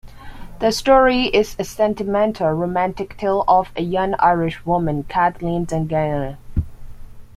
The story is a sentimental romantic tale of a young Irish woman, Kathleen Dungannon.